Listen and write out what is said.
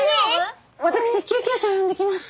私救急車呼んできます。